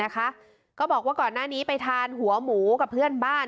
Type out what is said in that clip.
ก็บอกว่าก่อนหน้านี้ไปทานหัวหมูกับเพื่อนบ้าน